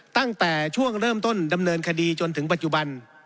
ตั้งแต่ช่วงเริ่มต้นดำเนินคดีจนถึงปัจจุบัน